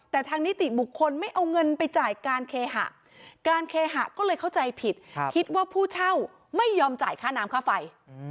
แต่ทางนิติบุคคลไม่เอาเงินไปจ่ายการเคหะการเคหะก็เลยเข้าใจผิดคิดว่าผู้เช่าไม่ยอมจ่ายค่าน้ำค่าไฟ